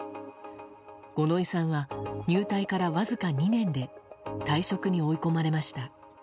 五ノ井さんは入隊からわずか２年で退職に追い込まれました。